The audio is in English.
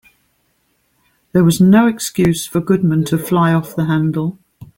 There was no excuse for Goodman to fly off the handle.